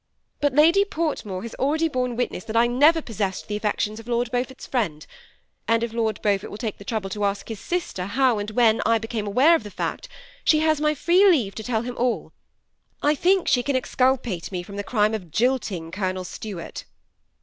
But Lady Fortmore has already borne witness that I never possessed the affections of 172 TEDB SEMT ATTACHED GOUPLE. Lord Beaufort's friend ; and if Lord Beanfort will take the trooble to ask his sister how and when I became aware of that fact, she has mj free leave to tell him aU. I think she can exculpate me from the crime of jifiing Colonel Stuart."